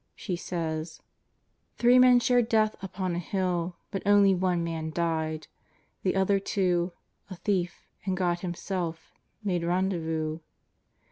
She says: Three men shared death upon a hill, But only one man died; The other two A thief and God Himself Made rendezvous.